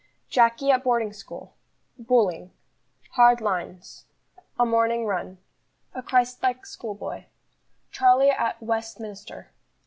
Jacky at boarding school. Bullying. Hard lines. A morning run. A Christ like schoolboy. Charlie at Westminster.